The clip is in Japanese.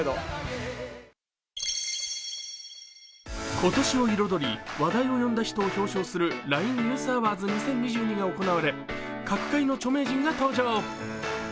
今年を彩り、話題を呼んだ人を表彰するＬＩＮＥＮＥＷＳＡＷＡＲＤＳ２０２２が行われ、各界の著名人が登場。